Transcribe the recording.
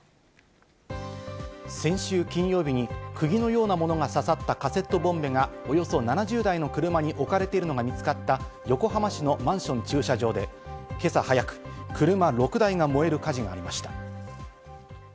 先週金曜日に釘のようなものが刺さったカセットボンベが、およそ７０台の車に置かれているのが見つかった横浜市のマンション駐車場で今朝早く、車６台が燃える火事がありました。